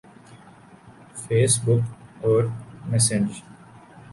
face بک اور messenger